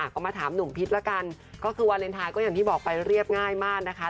ก็มาถามหนุ่มพิษละกันก็คือวาเลนไทยก็อย่างที่บอกไปเรียบง่ายมากนะคะ